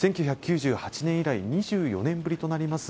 １９９８年以来２４年ぶりとなります